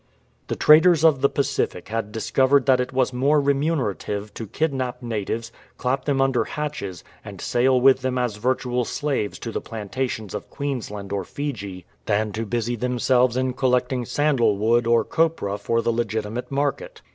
The traders of the Pacific had discovered that it was more remunerative to kidnap natives, clap them under hatches, and sail with them as virtual slaves to the planta tions of Queensland or Fiji, than to busy themselves in collecting sandal wood or copra for the legitimate market.